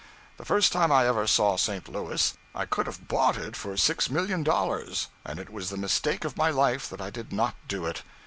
The first time I ever saw St. Louis, I could have bought it for six million dollars, and it was the mistake of my life that I did not do it.